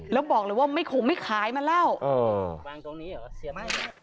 แล้วบอกเลยว่าไม่คงไม่ขายมาแล้ว